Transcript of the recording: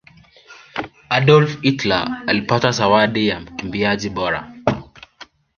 adolf hitler alipata zawadi ya mkimbiaji bora